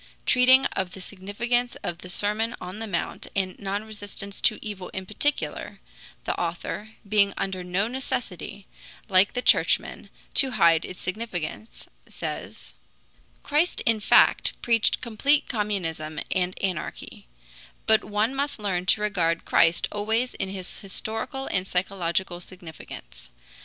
Treating of the significance of the Sermon on the Mount and non resistance to evil in particular, the author, being under no necessity, like the Churchmen, to hide its significance, says: "Christ in fact preached complete communism and anarchy; but one must learn to regard Christ always in his historical and psychological significance.